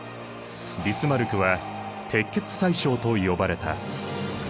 ビスマルクは鉄血宰相と呼ばれた。